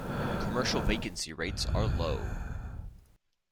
Commercial vacancy rates are low.